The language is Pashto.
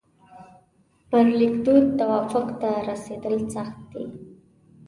پر لیکدود توافق ته رسېدل سخت دي.